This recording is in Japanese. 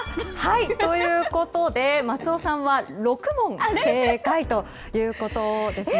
ということで松尾さんは６問正解ですね。